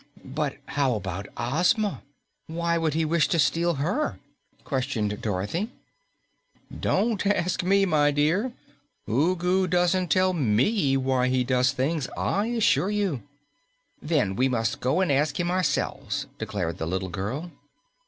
"But how about Ozma? Why would he wish to steal HER?" questioned Dorothy. "Don't ask me, my dear. Ugu doesn't tell me why he does things, I assure you." "Then we must go and ask him ourselves," declared the little girl.